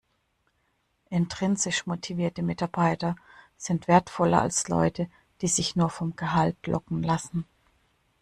Intrinsisch motivierte Mitarbeiter sind wertvoller als Leute, die sich nur vom Gehalt locken lassen.